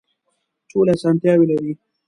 ټولې اسانتیاوې لري.